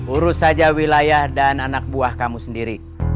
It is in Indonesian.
urus saja wilayah dan anak buah kamu sendiri